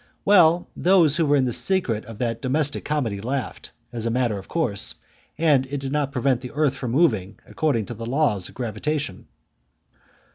Well, those who were in the secret of that domestic comedy laughed, as a matter of course, and it did not prevent the earth from moving according to the laws of gravitation.